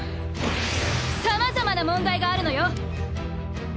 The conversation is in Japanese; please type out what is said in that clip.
さまざまな問題があるのよ！